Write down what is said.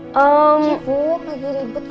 cibuk lagi ribet